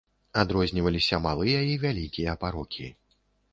Адрозніваліся малыя і вялікія парокі.